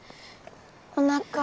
おなか。